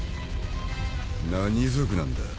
何族なんだ？